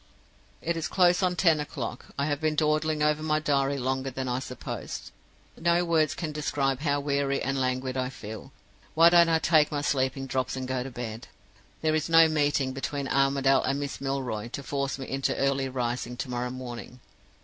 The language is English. "It is close on ten o'clock; I have been dawdling over my diary longer than I supposed. "No words can describe how weary and languid I feel. Why don't I take my sleeping drops and go to bed? There is no meeting between Armadale and Miss Milroy to force me into early rising to morrow morning.